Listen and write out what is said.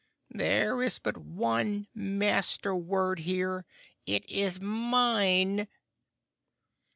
"There is but one Master word here. It is mine!"